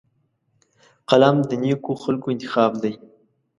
قلم د نیکو خلکو انتخاب دی